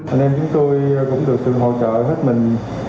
anh em chúng tôi cũng được từng hỗ trợ hết mình